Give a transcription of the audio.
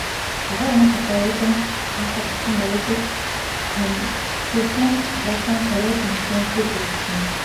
Агуй аман талдаа уужим, цаашлах тутам нарийсаж тахирлан салаалан, хориод метрийн хэр үргэлжилнэ.